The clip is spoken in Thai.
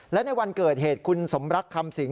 และในวันเกิดเหตุคุณสมรักคำสิง